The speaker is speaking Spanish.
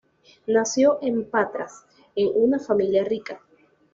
Nació en Patras en una familia rica.